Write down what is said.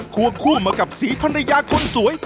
วบคู่มากับศรีภรรยาคนสวย